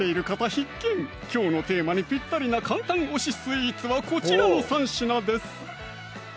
必見きょうのテーマにぴったりな簡単推しスイーツはこちらの３品です